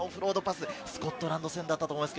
スコットランド戦だったと思います。